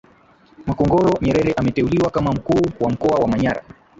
Makongoro Nyerere ameteuliwa kama Mkuu wa mkoa wa Manyara